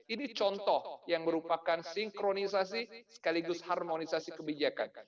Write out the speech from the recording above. ini contoh yang merupakan sinkronisasi sekaligus harmonisasi kebijakan